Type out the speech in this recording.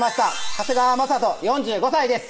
長谷川真登４５歳です